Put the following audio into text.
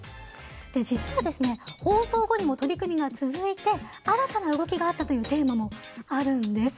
実は放送後にも取り組みが続いて新たな動きがあったというテーマもあるんです。